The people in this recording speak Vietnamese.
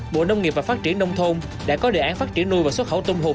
bộ nông nghiệp và phát triển nông thôn đã có đề án phát triển nuôi và xuất khẩu tôm hù